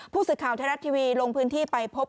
ผู้สิทธิ์ข่าวไทยรัตน์ทีวีลงพื้นที่ไปพบ